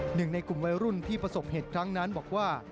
หนึ่งในกลุ่มวัยรุ่นที่ประสบเหตุครั้งนั้นบอกว่า